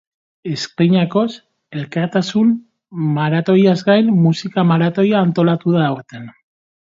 Estreinakoz, elkartasun maratoiaz gain, musika maratoia antolatu da aurten.